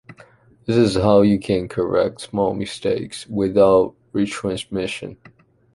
That is how you can correct small mistakes, without retransmission.